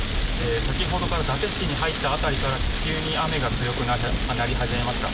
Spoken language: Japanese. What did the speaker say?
先ほどから伊達市に入った辺りから急に雨が強くなり始めました。